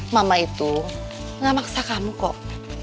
mama itu gak maksa kamu kok